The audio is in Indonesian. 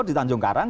di tanjung karang